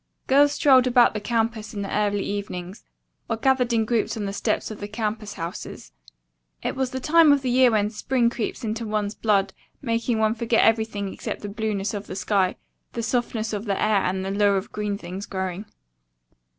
Girls strolled about the campus in the early evenings, or gathered in groups on the steps of the campus houses. It was the time of year when spring creeps into one's blood, making one forget everything except the blueness of the sky, the softness of the air and the lure of green things growing.